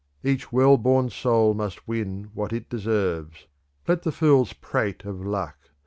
Each well born soul must win what it deserves. Let the fools prate of luck.